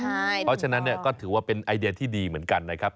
เพราะฉะนั้นก็ถือว่าเป็นไอเดียที่ดีเหมือนกันนะครับ